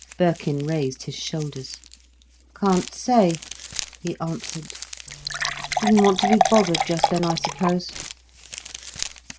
Birkin raised his shoulders. "Can't say," he answered. "Didn't want to be bothered just then, I suppose."